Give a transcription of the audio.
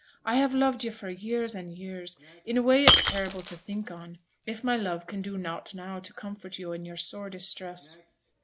I have loved yo' for years an' years, in a way it's terrible to think on, if my love can do nought now to comfort yo' in your sore distress.'